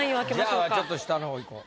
じゃあちょっと下の方いこう。